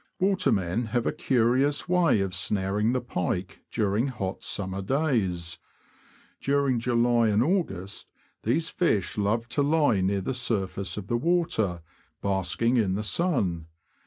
Watermen have a curious way of snaring the pike during hot summer days. During July and August these fish love to lie near the surface of the water, basking in the sun.